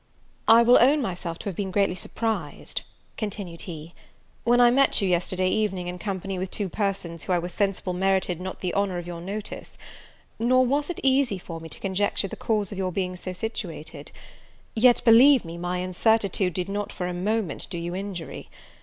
"I will own myself to have been greatly surprised," continued he, "when I met you yesterday evening, in company with two persons who I was sensible merited not the honour of your notice: nor was it easy for me to conjecture the cause of your being so situated; yet, believe me, my incertitude did not for a moment do you injury.